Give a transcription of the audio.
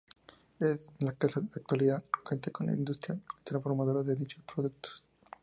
En la actualidad cuenta con industrias transformadoras de dichos productos.